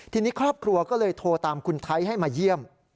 ทีนี้ครอบครัวก็เลยโทรตามคุณไทยให้มาเยี่ยม